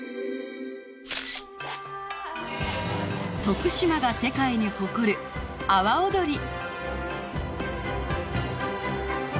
徳島が世界に誇る阿波おどり！